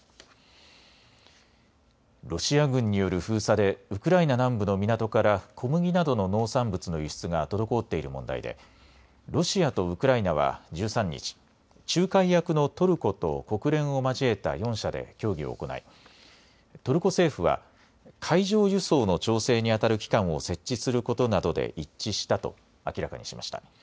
ロシア軍による封鎖でウクライナ南部の港から小麦などの農産物の輸出が滞っている問題でロシアとウクライナは１３日、仲介役のトルコと国連を交えた４者で協議を行いトルコ政府は海上輸送の調整にあたる機関を設置することなどで一致したと明らかにしました。